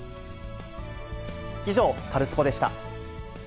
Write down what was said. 以上、カルスポっ！でした。